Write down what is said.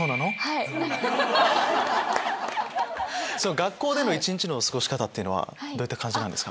学校での一日の過ごし方っていうのはどういった感じなんですか？